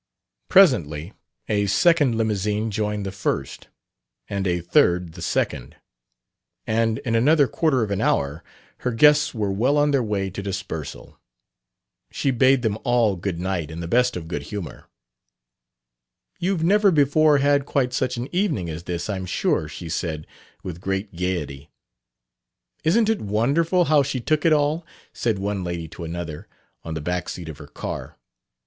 Presently a second limousine joined the first, and a third the second; and in another quarter of an hour her guests were well on their way to dispersal. She bade them all goodnight in the best of good humor. "You've never before had quite such an evening as this, I'm sure!" she said, with great gaiety. "Isn't it wonderful how she took it all!" said one lady to another, on the back seat of her car.